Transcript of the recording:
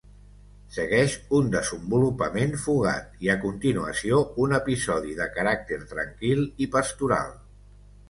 Segueix un desenvolupament fugat, i a continuació un episodi de caràcter tranquil i pastoral.